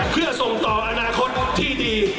เพื่อส่งต่ออนาคตที่ดี